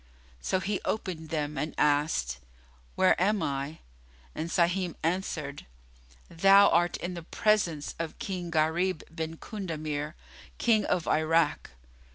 So he opened them and asked, "Where am I?"; and Sahim answered, "Thou art in the presence of King Gharib bin Kundamir, King of Irak."